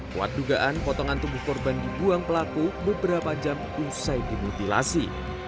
kuat dugaan potongan tubuh korban dibuang pelaku beberapa jam usai dimutilasi